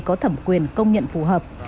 có thẩm quyền công nhận phù hợp